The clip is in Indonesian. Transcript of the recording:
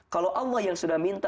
kalau allah yang sudah minta